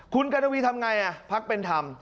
คุณกันวีทำอย่างไรภาคเป็นธรรม